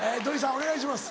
お願いします。